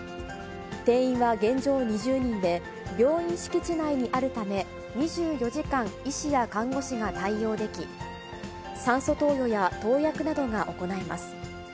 定員は現状２０人で、病院敷地内にあるため、２４時間、医師や看護師が対応でき、酸素投与や投薬などが行えます。